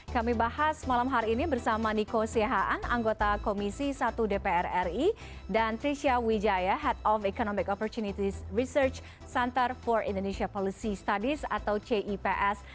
kami bahas malam hari ini bersama niko sehaan anggota komisi satu dpr ri dan trisha wijaya head of economic opportunity research center for indonesia policy studies atau cips